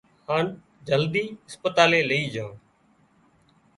هانَ جلدي اسپتالئي لئي جھان